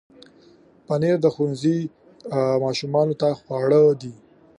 پنېر د ښوونځي ماشومانو ته ښه خواړه دي.